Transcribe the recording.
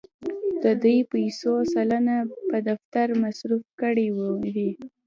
د دې پیسو سلنه په دفتر مصرف کړې وې.